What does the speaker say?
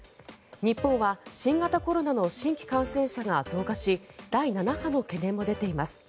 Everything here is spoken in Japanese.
日本は新型コロナの新規感染者が増加し第７波の懸念も出ています。